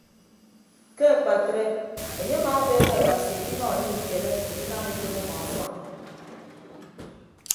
Ke akpatre enye amaabeeñe abasi edinọ anye ukeme adinam utom ọmọ ọfọn.